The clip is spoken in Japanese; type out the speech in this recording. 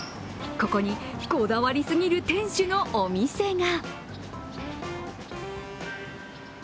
ここにこだわりすぎる店主のお店が。